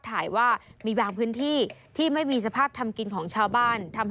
ถ่ายว่ามีบางพื้นที่ที่ไม่มีสภาพทำกินของชาวบ้านทำ